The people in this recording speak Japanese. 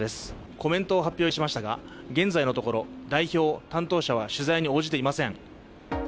コメントを発表しましたが、現在のところ代表、担当者は取材に応じていません。